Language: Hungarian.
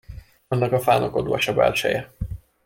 Annak a fának odvas a belseje.